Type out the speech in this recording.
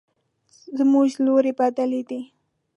زموږ لوري بدل ده